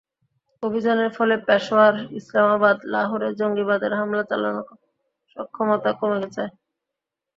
অভিযানের ফলে পেশোয়ার, ইসলামাবাদ, লাহোরে জঙ্গিদের হামলা চালানোর সক্ষমতা কমে যায়।